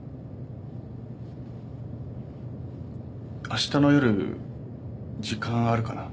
明日の夜時間あるかな？